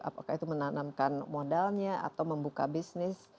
apakah itu menanamkan modalnya atau membuka bisnis